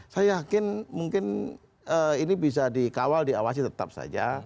saya yakin mungkin ini bisa dikawal diawasi tetap saja